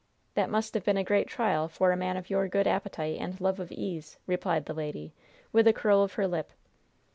"That must have been a great trial for a man of your good appetite and love of ease," replied the lady, with a curl of her lip.